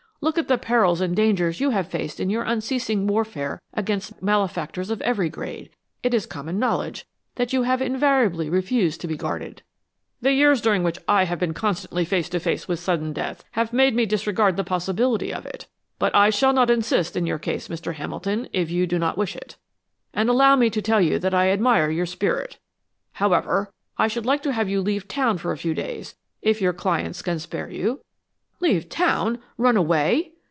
Look at the perils and dangers you have faced in your unceasing warfare against malefactors of every grade. It is common knowledge that you have invariably refused to be guarded." "The years during which I have been constantly face to face with sudden death have made me disregard the possibility of it. But I shall not insist in your case, Mr. Hamilton, if you do not wish it; and allow me to tell you that I admire your spirit. However, I should like to have you leave town for a few days, if your clients can spare you." "Leave town? Run away?"